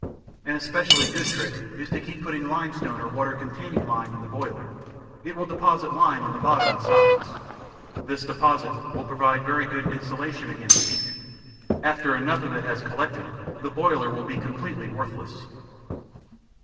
An especially good trick is to keep putting limestone or water containing lime in the boiler; it will deposit lime on the bottom and sides. This deposit will provide very good insulation against heat; after enough of it has collected, the boiler will be completely worthless.